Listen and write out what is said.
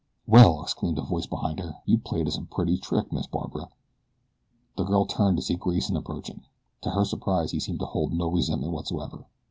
"Well!" exclaimed a voice behind her. "You played us a pretty trick, Miss Barbara." The girl turned to see Grayson approaching. To her surprise he seemed to hold no resentment whatsoever.